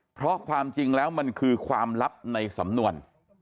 เพราะความจริงแล้วมันคือความลับในสำนวน